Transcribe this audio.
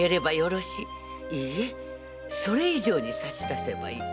いいえそれ以上に差し出せばいい。